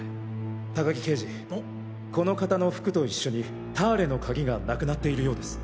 高木刑事この方の服と一緒にターレの鍵がなくなっているようです。